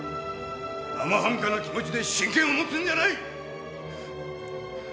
生半可な気持ちで真剣を持つんじゃない！！